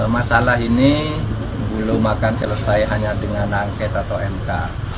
masalah ini belum akan selesai hanya dengan angket atau mk